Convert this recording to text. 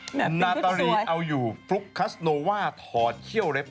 เหมือนพี่พิ้งคือสวยนาตาลีเอาอยู่ฟลุ๊กคัสโนว่าถอดเที่ยวเร็บ